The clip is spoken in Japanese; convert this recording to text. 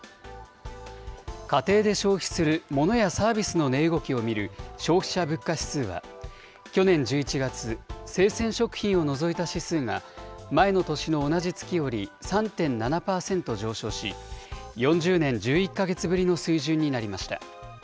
家庭で消費するものやサービスの値動きを見る消費者物価指数は、去年１１月、生鮮食品を除いた指数が、前の年の同じ月より３．７％上昇し、４０年１１か月ぶりの水準になりました。